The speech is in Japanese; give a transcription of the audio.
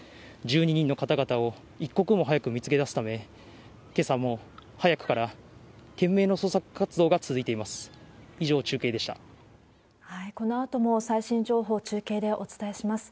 １２人の方々を一刻も早く見つけ出すため、けさも早くから懸命の捜索活動が続いています。